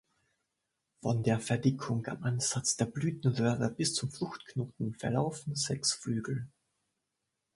Von der Verdickung am Ansatz der Blütenröhre bis zum Fruchtknoten verlaufen sechs Flügel.